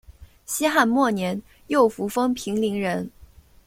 西汉末年右扶风平陵人。